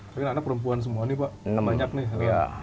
tapi anak perempuan semua ini pak